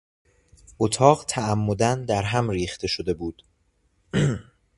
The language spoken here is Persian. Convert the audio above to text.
اتاق تعمدا در هم ریخته شده بود.